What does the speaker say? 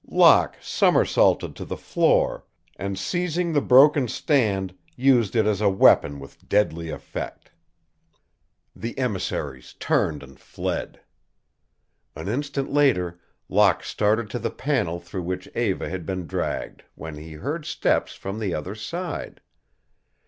Locke somersaulted to the floor and, seizing the broken stand, used it as a weapon with deadly effect. The emissaries turned and fled. An instant later Locke started to the panel through which Eva had been dragged, when he heard steps from the other side.